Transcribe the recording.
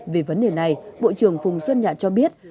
về vấn đề này bộ trưởng phùng xuân nhạ cho biết